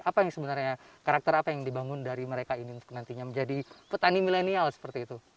apa yang sebenarnya karakter apa yang dibangun dari mereka ini untuk nantinya menjadi petani milenial seperti itu